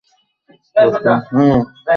বসন্ত রায়ের কথায় সে তৎক্ষণাৎ রাজি হইল।